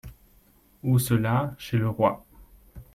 Où cela ? Chez le roi.